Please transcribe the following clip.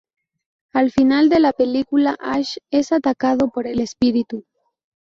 Al final de la película Ash es atacado por el espíritu.